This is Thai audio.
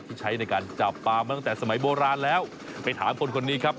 ที่ใช้ในการจับปลามาตั้งแต่สมัยโบราณแล้วไปถามคนคนนี้ครับ